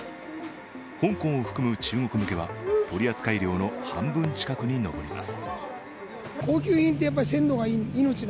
香港を含む中国向けは取扱量の半分近くに上ります。